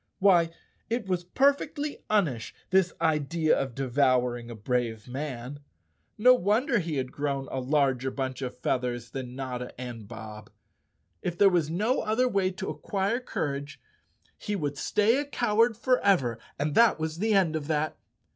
Why it was perfectly unish, this idea of devouring a brave man. No wonder he had grown a larger bunch of feathers than Notta and Bob! If there was no other way to acquire courage, he would stay a coward forever and that was the end of that!